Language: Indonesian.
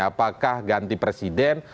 apakah ganti presiden